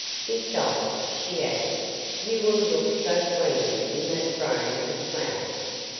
Besides," she added, "you will look so queenly in that throne of flowers."